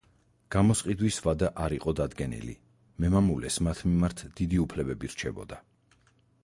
გამოსყიდვის ვადა არ იყო დადგენილი, მემამულეს მათ მიმართ დიდი უფლებები რჩებოდა.